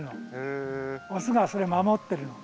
オスがそれ守ってるの。